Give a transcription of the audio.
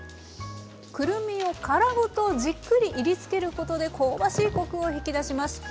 くるみを殻ごとじっくりいりつけることで香ばしいコクを引き出します。